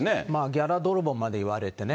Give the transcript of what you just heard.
ギャラ泥棒まで言われてね。